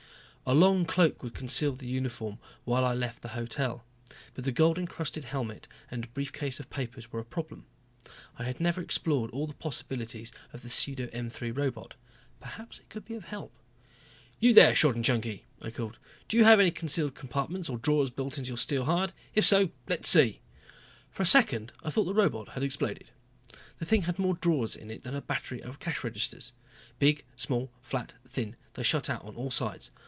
A long cloak would conceal the uniform while I left the hotel, but the gold encrusted helmet and a brief case of papers were a problem. I had never explored all the possibilities of the pseudo M 3 robot, perhaps it could be of help. "You there, short and chunky," I called. "Do you have any concealed compartments or drawers built into your steel hide? If so, let's see." For a second I thought the robot had exploded. The thing had more drawers in it than a battery of cash registers. Big, small, flat, thin, they shot out on all sides.